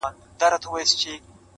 ما د دريم ژوند وه اروا ته سجده وکړه,